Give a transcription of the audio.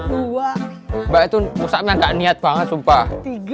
dua waktu nggak niat banget sumpah